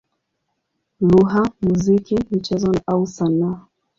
lugha, muziki, michezo au sanaa.